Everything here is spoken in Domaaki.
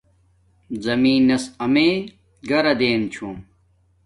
زمین نس امیے گھرا دیم چھوم